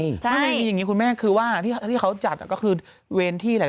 ไม่มีอย่างนี้คุณแม่คือว่าที่เขาจัดก็คือเวรที่แหละ